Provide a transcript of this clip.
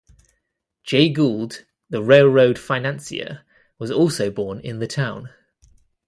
Jay Gould, the railroad financier, was also born in the town.